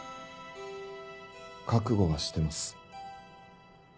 覚悟はしてます。